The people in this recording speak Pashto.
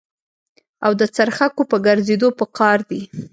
او د څرخکو په ګرځېدو په قار دي.